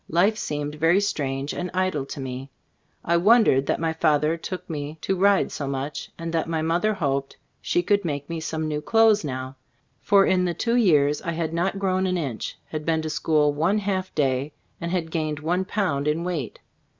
Life seemed very strange and idle to me. ■ I wondered that my father took me to ride so much, and that my mother hoped she could make me some new clothes now, for in the two years I had not grown an inch, had been to school one half day, and had gained one pound in weight.